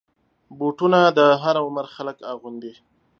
بوټونه د هر عمر خلک اغوندي.